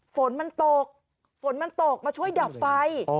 ฝนมันตกฝนมันตกมาช่วยดับไฟ